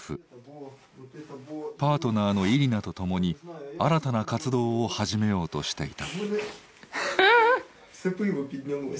パートナーのイリナとともに新たな活動を始めようとしていた。